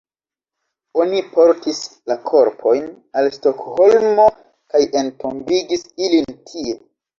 Oni portis la korpojn al Stokholmo kaj entombigis ilin tie.